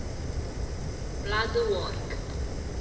Blood Work